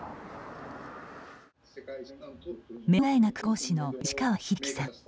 名桜大学講師の吉川秀樹さん。